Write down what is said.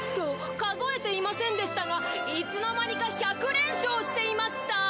数えていませんでしたがいつのまにか１００連勝していました！